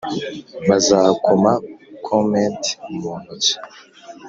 bazakoma comet mu ntoki?